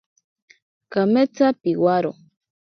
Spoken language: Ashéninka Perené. Kametsa piworo.